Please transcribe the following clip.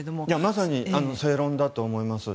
まさに正論だと思います。